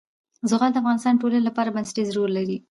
زغال د افغانستان د ټولنې لپاره بنسټيز رول لري.